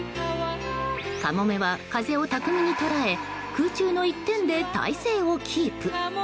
カモメは風を巧みに捉え空中の一点で体勢をキープ。